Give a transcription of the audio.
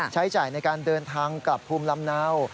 ใช้จ่ายในการเดินทางกลับภูมิลำเนา